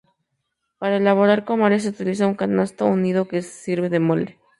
Para elaborar comales se utiliza un canasto o "nido", que sirve de molde.